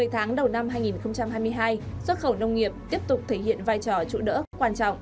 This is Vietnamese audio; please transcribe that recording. một mươi tháng đầu năm hai nghìn hai mươi hai xuất khẩu nông nghiệp tiếp tục thể hiện vai trò trụ đỡ quan trọng